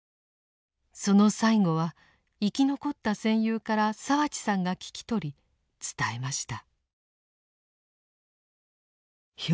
その最期は生き残った戦友から澤地さんが聞き取り伝えました。